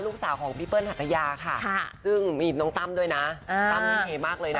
ลูกสาวของพี่เปิ้ลหัตยาค่ะซึ่งมีน้องตั้มด้วยนะตั้มนี่เฮมากเลยนะ